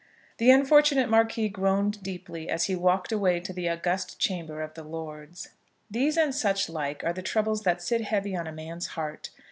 The unfortunate Marquis groaned deeply as he walked away to the august chamber of the Lords. These and such like are the troubles that sit heavy on a man's heart.